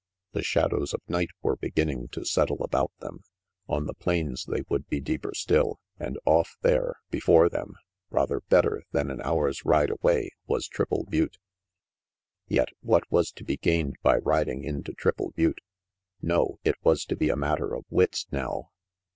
The shadows of night were beginning to settle about them; on the plains they would be deeper still; and off there, before them, rather better than an hour's ride away, was Triple Butte. Yet what was to be gained by riding into Triple Butte? No, it was to be a natter of wits now.